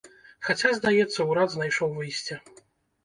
Хаця, здаецца, урад знайшоў выйсце.